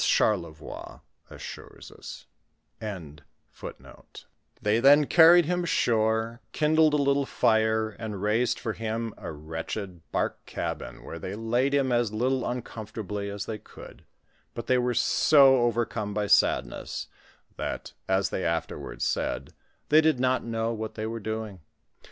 59 They then carried him ashore, kindled a Jittle fire, and raised for him a wretched bark cabin, where thoy laid him as little uncomfortably as they could ; but they were so overcome by sadness, that, as they aflerwai'd said, they did not know what they were doing.